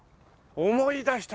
思い出した。